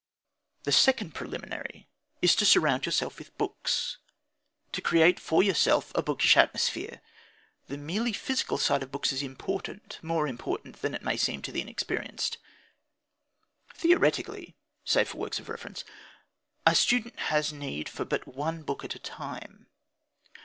The second preliminary is to surround yourself with books, to create for yourself a bookish atmosphere. The merely physical side of books is important more important than it may seem to the inexperienced. Theoretically (save for works of reference), a student has need for but one book at a time.